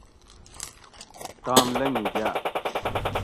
تام لنگی گاۤ